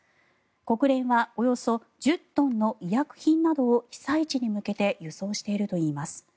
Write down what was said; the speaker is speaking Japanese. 国連はおよそ１０トンの医薬品などを被災地に向けて輸送しているといいます。